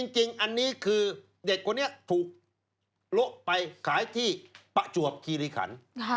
จริงอันนี้คือเด็กคนนี้ถูกละไปขายที่ประจวบคีริขัน